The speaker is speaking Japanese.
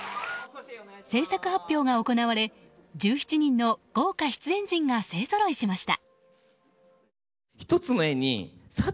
制作発表が行われ１７人の豪華出演陣が勢ぞろいしました。